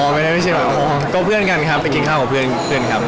อ๋อไม่ได้ไปเชียงใหม่อ๋อก็เพื่อนกันครับไปกินข้าวกับเพื่อนครับ